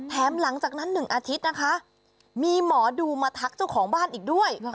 หลังจากนั้น๑อาทิตย์นะคะมีหมอดูมาทักเจ้าของบ้านอีกด้วย